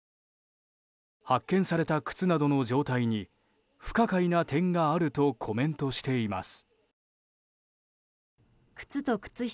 発見された靴などの状態に不可解な点があるとコメントしています。